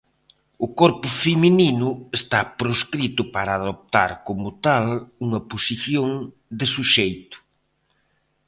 O corpo feminino está proscrito para adoptar, como tal, unha posición de suxeito.